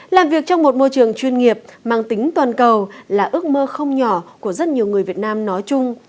làm việc trong một môi trường chuyên nghiệp mang tính toàn cầu là ước mơ không nhỏ của rất nhiều người việt nam nói chung